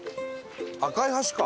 赤い橋か。